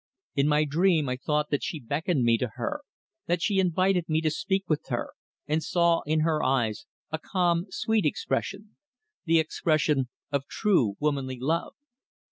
In my dream I thought that she beckoned me to her, that she invited me to speak with her, and saw in her eyes a calm, sweet expression the expression of true womanly love.